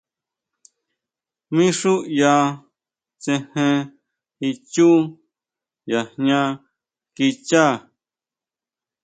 Mí xú ʼya tsejen ichú ya jña kichá.